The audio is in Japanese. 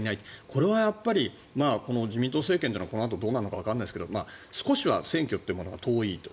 これはやっぱり自民党政権がこのあとどうなるのかわからないですが少しは選挙ってものが遠いと。